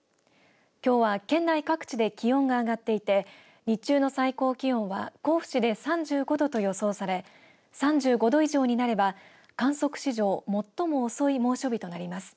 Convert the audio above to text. きょうは県内各地で気温が上がっていて日中の最高気温は甲府市で３５度と予想され３５度以上になれば観測史上最も遅い猛暑日となります。